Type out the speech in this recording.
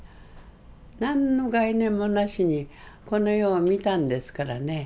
何の概念もなしにこの世を見たんですからね